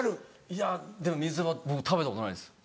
いやでも水そば僕食べたことないです。